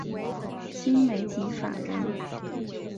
新媒体法人